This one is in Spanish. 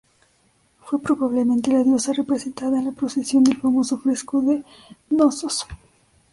Fue probablemente la diosa representada en la procesión del famoso fresco de Cnosos.